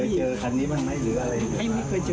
เคยเจอคันนี้มันไหมหรืออะไรอยู่